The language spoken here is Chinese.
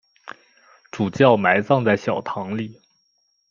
主教埋葬在小堂里。